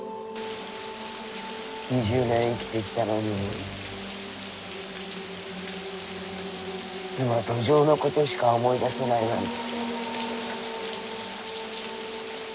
２０年生きてきたのに今ドジョウのことしか思い出せないなんて。